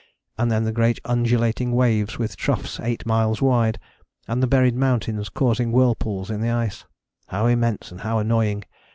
And then the great undulating waves with troughs eight miles wide, and the buried mountains, causing whirlpools in the ice how immense, and how annoying.